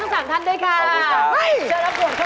เชิญกับตัวเข้าไปทำอะไรเข้าไปดูค่ะ